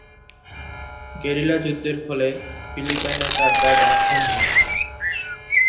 Guerrilla যুদ্ধের ফলে ফিলিপাইনে তাঁর দাদা খুন হন।